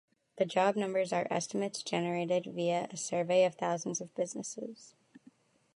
The job numbers are estimates generated via a survey of thousands of businesses.